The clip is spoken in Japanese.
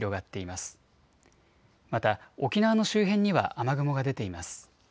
また、沖縄の周辺には雨雲が出ています。